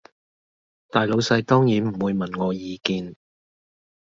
大老細當然唔會問我意見